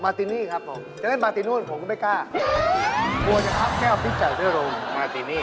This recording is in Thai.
มาตินี่ครับผม